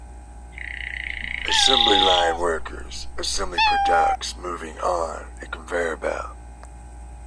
Assembly line workers assemble products moving on a conveyor belt.